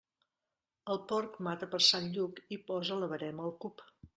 El porc mata per Sant Lluc i posa la verema al cup.